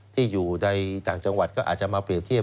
ที่อยู่ในต่างจังหวัดก็อาจจะมาเปรียบเทียบ